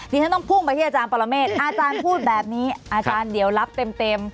ฉันต้องพุ่งไปที่อาจารย์ปรเมฆอาจารย์พูดแบบนี้อาจารย์เดี๋ยวรับเต็ม